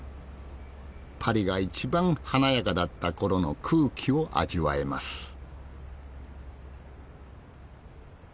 パリが一番華やかだった頃の空気を味わえます。